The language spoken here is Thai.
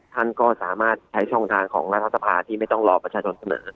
ท่านก็สามารถใช้ช่องทางของรัฐสภาที่ไม่ต้องรอประชาชนเสนอ